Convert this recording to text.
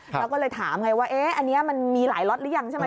แล้วก็เลยถามไงว่าอันนี้มันมีหลายล็อตหรือยังใช่ไหม